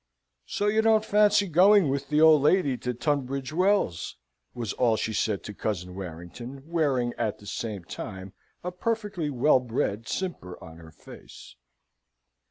"So you don't fancy going with the old lady to Tunbridge Wells?" was all she said to Cousin Warrington, wearing at the same time a perfectly well bred simper on her face.